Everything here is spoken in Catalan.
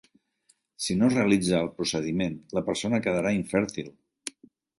Si no es realitza el procediment, la persona quedarà infèrtil.